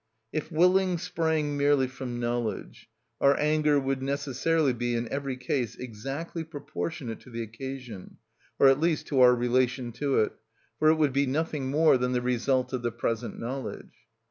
If willing sprang merely from knowledge, our anger would necessarily be in every case exactly proportionate to the occasion, or at least to our relation to it, for it would be nothing more than the result of the present knowledge.